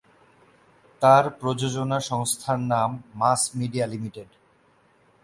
তার প্রযোজনা সংস্থার নাম মাস মিডিয়া লিমিটেড।